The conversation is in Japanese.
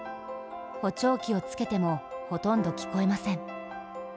補聴器をつけても、ほとんど聞こえません。